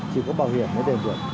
chỉ có bảo hiểm mới đền được